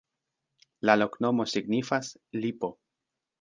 La loknomo signifas: lipo.